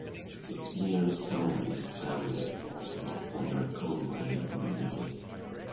Its nearest town is Stanley, also a former coal mining community.